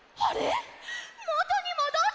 もとにもどってない！